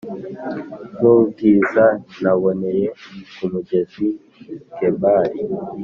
nk ubwiza naboneye ku mugezi Kebari